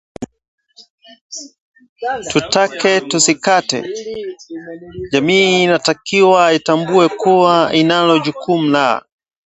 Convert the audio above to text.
Tutake tusikate, jamii inatakiwa itambue kuwa inalo jukumu la